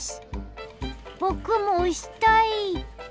ぼくもおしたい！